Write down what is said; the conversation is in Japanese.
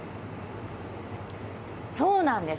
そうなんです。